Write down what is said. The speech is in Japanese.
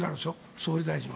総理大臣は。